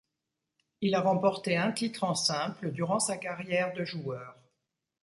Il a remporté un titre en simple durant sa carrière de joueur.